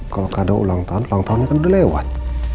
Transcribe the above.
kalau keadaan ulang tahun ulang tahunnya kan udah lewat